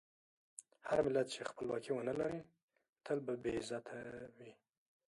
هر ملت چې خپلواکي ونه لري، تل به بې عزته وي.